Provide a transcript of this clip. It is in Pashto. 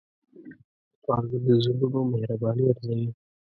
سوالګر د زړونو مهرباني ارزوي